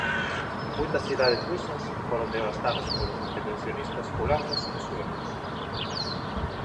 Moitas cidades rusas foron devastadas polos intervencionistas polacos e suecos.